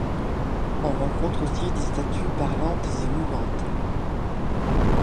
On rencontre aussi des statues parlantes et mouvantes.